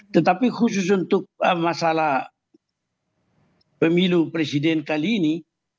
tetapi khusus untuk masalah pemilu presiden kali ini